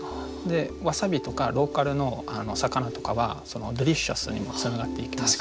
わさびとかローカルの魚とかはデリシャスにもつながっていきますので。